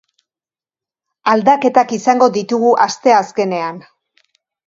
Aldaketak izango ditugu asteazkenean.